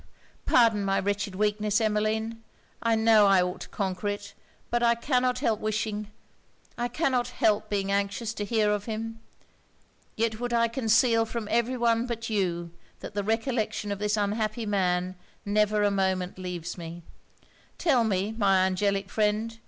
pardon my wretched weakness, Emmeline! I know I ought to conquer it! But I cannot help wishing I cannot help being anxious to hear of him! Yet would I conceal from every one but you that the recollection of this unhappy man never a moment leaves me. Tell me, my angelic friend!